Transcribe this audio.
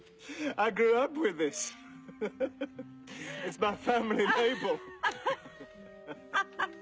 アハハハ。